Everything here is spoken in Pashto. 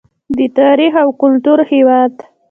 د تاریخ او کلتور هیواد.